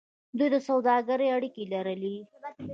دوی د سوداګرۍ اړیکې لرلې.